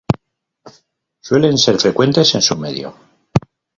Suelen ser frecuentes en su medio.